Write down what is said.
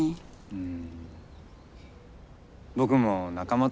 うん。